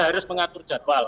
harus mengatur jadwal